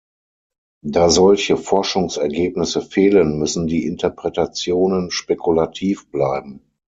Da solche Forschungsergebnisse fehlen, müssen die Interpretationen spekulativ bleiben.